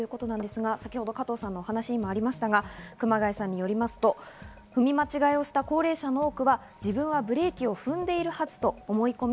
先ほど加藤さんの話にもありましたが、熊谷さんによりますと、踏み間違えをした高齢者の多くは自分がブレーキを踏んでいるはずと思い込み